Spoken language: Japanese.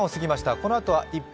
このあとは「１分！